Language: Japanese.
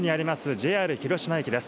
ＪＲ広島駅です。